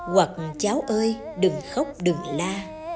hoặc cháu ơi đừng khóc đừng la